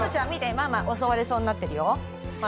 ママ襲われそうになってるよ。